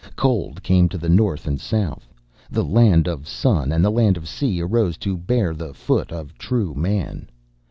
Cold came to the north and south; the Land of Sun and the Land of Sea arose to bear the foot of true man.